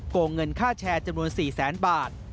งเงินค่าแชร์จำนวน๔แสนบาท